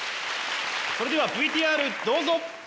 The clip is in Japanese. それではＶＴＲどうぞ！